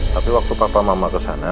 tapi waktu papa mama kesana